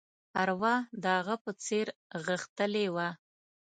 ارواح د هغه په څېر غښتلې وه.